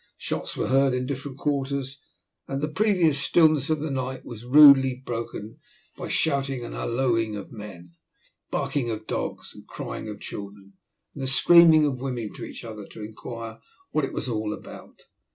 Shots were heard in different quarters, and the previous stillness of the night was rudely broken by shouting and hallooing of men, barking of dogs, and crying of children, and screaming of women to each other to inquire what it was all about.